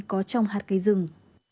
có trong hạt cây rừng